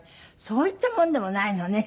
そういったもんでもないのね。